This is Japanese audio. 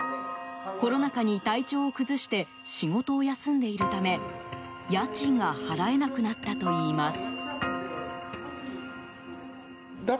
コロナ禍に体調を崩して仕事を休んでいるため家賃が払えなくなったといいます。